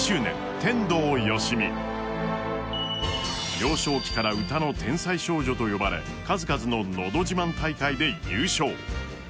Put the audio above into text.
幼少期から歌の天才少女と言われ数々の、のど自慢大会で優勝。